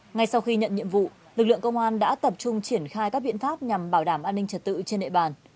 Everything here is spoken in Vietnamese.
ngay sau khi nhận nhiệm vụ lực lượng công an đã tập trung triển khai các biện pháp nhằm bảo đảm an ninh trật tự trên địa bàn